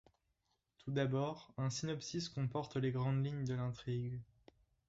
Tout d'abord, un synopsis comporte les grands lignes de l'intrigue.